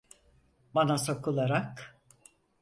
Bana sokularak: